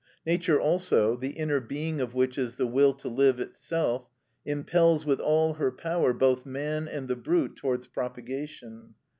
Nature also, the inner being of which is the will to live itself, impels with all her power both man and the brute towards propagation.